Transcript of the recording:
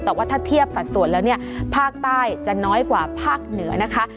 แต่ว่าถ้าเทียบสัดส่วนแล้วเนี่ยภาคใต้จะน้อยกว่าภาคเหนือนะคะ